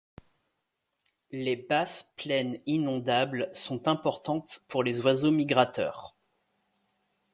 Les basses plaines inondables sont importantes pour les oiseaux migrateurs.